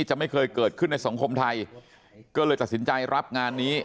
จะไม่เคยเกิดขึ้นในสังคมไทยก็เลยตัดสินใจรับงานนี้